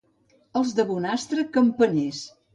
Els de Bonestarre, campaners.